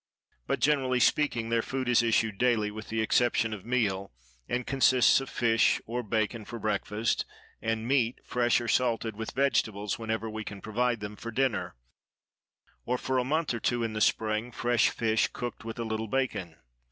But, generally speaking, their food is issued daily, with the exception of meal, and consists of fish or bacon for breakfast, and meat, fresh or salted, with vegetables whenever we can provide them, for dinner; or, for a month or two in the spring, fresh fish cooked with a little bacon.